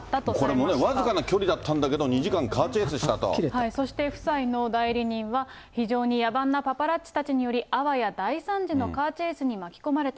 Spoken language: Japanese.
これもわずかな距離だったんだけど、２時間カーチェイスしたそして夫妻の代理人は、非常に野蛮なパパラッチたちにより、あわや大惨事のカーチェイスに巻き込まれた。